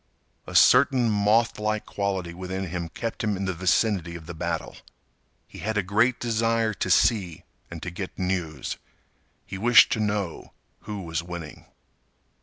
A certain mothlike quality within him kept him in the vicinity of the battle. He had a great desire to see, and to get news. He wished to know who was winning.